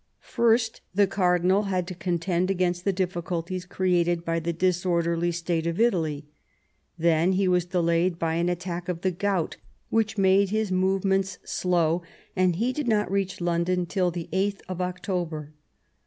First IX THE KING'S DIVORCE 171 the cardinal had to contend against the difficulties created by the disorderly state of Italy ; then he was delayed by an attack of the gout, which made his movements slow ; and he did not reach London till 8th October.